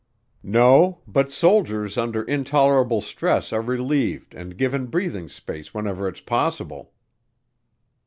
"No, but soldiers under intolerable stress are relieved and given breathing space whenever it's possible."